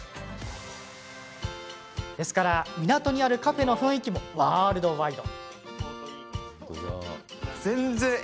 だから、港にあるカフェの雰囲気もワールドワイド。